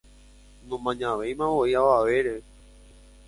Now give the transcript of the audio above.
nomañavéimavoi avavére